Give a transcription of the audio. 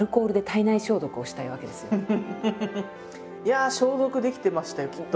いやあ消毒できてましたよきっと。